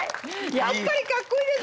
やっぱりかっこいいですね。